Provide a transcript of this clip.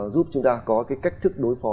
giúp chúng ta có cái cách thức đối phó